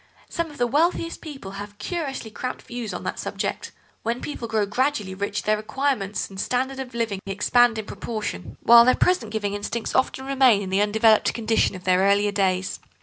Some of the wealthiest people have curiously cramped views on that subject. When people grow gradually rich their requirements and standard of living expand in proportion, while their present giving instincts often remain in the undeveloped condition of their earlier days.